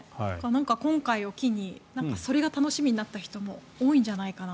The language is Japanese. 今回を機にそれが楽しみになった人も多いんじゃないかな。